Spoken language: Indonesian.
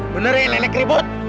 bener ya nenek keribut